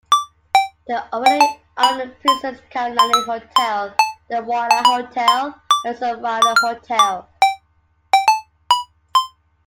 They already owned the Princess Kaiulani Hotel, the Moana Hotel and the Surfrider Hotel.